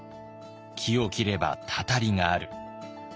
「木を切ればたたりがある」。